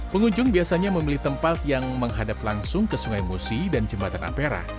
pengunjung biasanya memilih tempat yang menghadap langsung ke sungai musi dan jembatan ampera